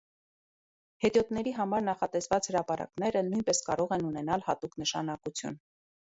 Հետիոտների համար նախատեսված հրապարակները նույնպես կարող են ունենալ հատուկ նշանակություն։